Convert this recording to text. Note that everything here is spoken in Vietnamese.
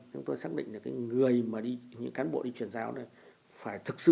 chúng tôi xác định là những cán bộ chuyển giao này phải thực sự hiểu